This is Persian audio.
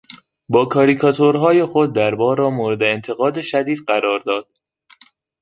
با کاریکاتورهای خود دربار را مورد انتقاد شدید قرار داد.